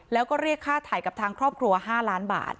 แล้วก็เรียกค่าถ่ายกับทางครอบครัว๕ล้านบาท